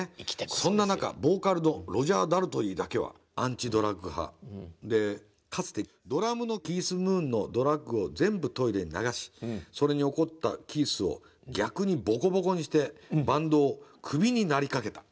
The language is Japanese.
「そんな中ボーカルのロジャー・ダルトリーだけはアンチドラッグ派でかつてドラムのキース・ムーンのドラッグを全部トイレに流しそれに怒ったキースを逆にボコボコにしてバンドをクビになりかけた」。